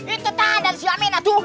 itu tak ada si aminah tuh